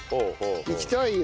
行きたいよ